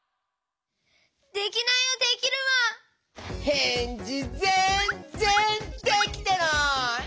へんじぜんぜんできてない！